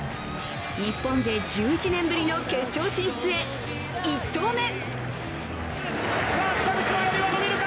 日本勢１１年ぶりの決勝進出へ、１投目。